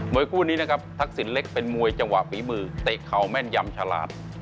คู่นี้นะครับทักษิณเล็กเป็นมวยจังหวะฝีมือเตะเข่าแม่นยำฉลาด